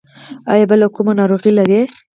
ایا بله کومه ناروغي لرئ؟